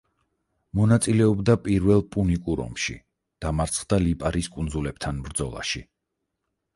მონაწილეობდა პირველ პუნიკურ ომში, დამარცხდა ლიპარის კუნძულებთან ბრძოლაში.